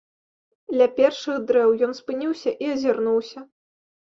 Ля першых дрэў ён спыніўся і азірнуўся.